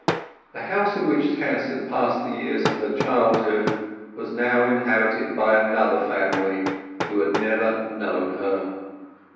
The house in which Tess had passed the years of her childhood was now inhabited by another family who had never known her.